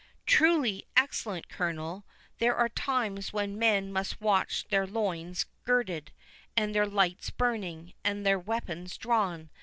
"Truly, excellent Colonel, these are times when men must watch with their loins girded, and their lights burning, and their weapons drawn.